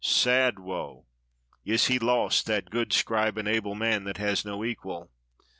Sad woe! Is he lost, that good scribe and able man that has no equal?"